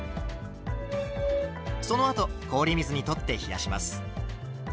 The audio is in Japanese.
そのあと氷水にとって冷やします。